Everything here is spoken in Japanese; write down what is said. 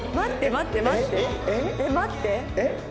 待って。